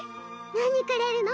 何くれるの？